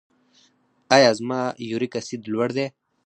ایا زما یوریک اسید لوړ دی؟